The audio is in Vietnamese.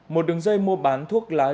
một đường dây mua bán thuốc lái